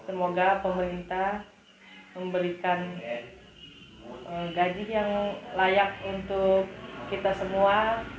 semoga pemerintah memberikan gaji yang layak untuk kita semua